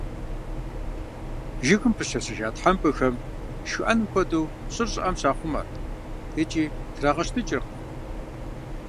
Жыгым пыщэщыжа тхьэмпэхэм, шхыӀэным хуэдэу, щӏыр щӏыӏэм щахъумэр, икӏи трагъэщтыкӀыркъым.